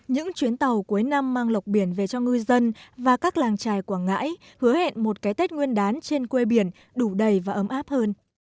những chuyến tàu cuối năm mang lộc biển về cho ngư dân và các làng trài quảng ngãi hứa hẹn một cái tết nguyên đán trên quê biển đủ đầy và ấm áp hơn